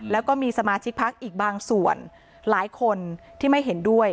แล้วก็มีสมาชิกพักอีกบางส่วนหลายคนที่ไม่เห็นด้วย